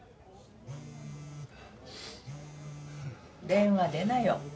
電話出なよ。